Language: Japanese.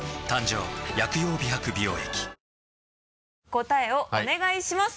答えをお願いします。